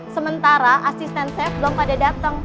sementara asisten chef belum pada datang